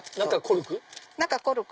中コルク？